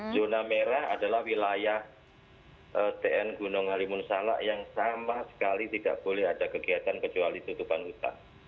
zona merah adalah wilayah tn gunung halimun salak yang sama sekali tidak boleh ada kegiatan kecuali tutupan hutan